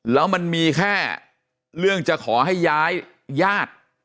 แล้วมันมีแค่เรื่องจะขอให้ย้ายญาติ